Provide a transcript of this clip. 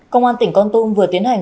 công an tỉnh con tum vừa tiến hành